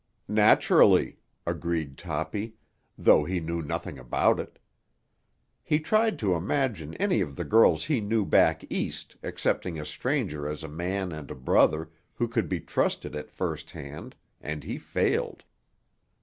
"Naturally," agreed Toppy, though he knew nothing about it. He tried to imagine any of the girls he knew back East accepting a stranger as a man and a brother who could be trusted at first hand, and he failed.